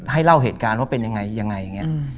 เล่าเหตุการณ์ว่าเป็นยังไงยังไงอย่างนี้